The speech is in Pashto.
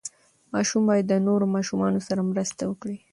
ماشوم باید د نورو ماشومانو سره مرسته وکړي.